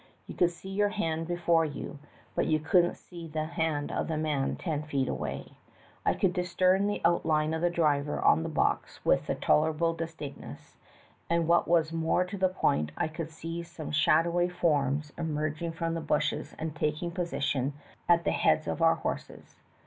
You could see your hand before you, but you couldn't see the hand of a man ten feet away. I could discern the outline of the driver on the box with tolerable distinctness, and what was more to the point I could see some shadowy forms 232 THE TALKING HANDKERCHIEF. emerging from the bushes and taking position at the heads of our horses.